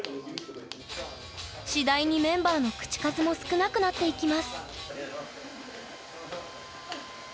次第にメンバーの口数も少なくなっていきます